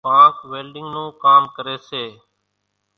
ڪانڪ ويلڍينڳ نون ڪام ڪريَ سي۔